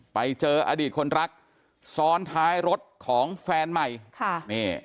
ไปเจออดีตคนรักซ้อนท้ายรถของแฟนใหม่ค่ะนี่